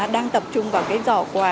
đang tập trung vào cái giỏ quà